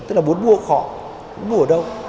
tức là muốn mua